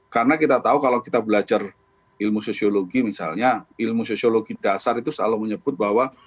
karena kita tahu kalau kita belajar ilmu sosiologi misalnya ilmu sosiologi dasar itu selalu menyebut bahwa